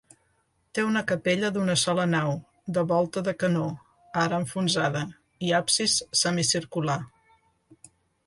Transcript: Té una capella d'una sola nau, de volta de canó, ara enfonsada, i absis semicircular.